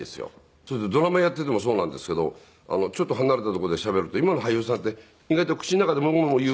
それとドラマやっていてもそうなんですけどちょっと離れたとこでしゃべると今の俳優さんって意外と口の中でモゴモゴ言う。